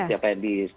yang diturunkan juga